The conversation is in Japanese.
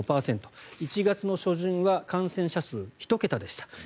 １月初旬は感染者数１桁でした。